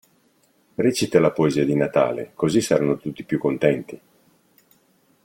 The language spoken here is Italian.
Recita la poesia di Natale, così saranno tutti più contenti.